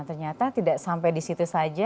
ternyata tidak sampai di situ saja